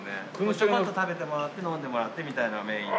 ちょこっと食べてもらって飲んでもらってみたいなのをメインに。